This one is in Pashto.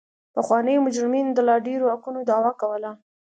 پخوانیو مجرمینو د لا ډېرو حقونو دعوه کوله.